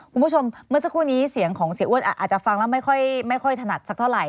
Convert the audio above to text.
คุณผู้ชมเมื่อสักครู่นี้เสียงของเสียอ้วนอาจจะฟังแล้วไม่ค่อยถนัดสักเท่าไหร